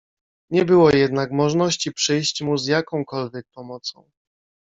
Nie było jednak możności przyjść mu z jakąkolwiek pomocą.